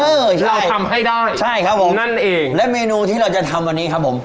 ที่เราทำให้ได้ใช่ครับผมนั่นเองและเมนูที่เราจะทำวันนี้ครับผม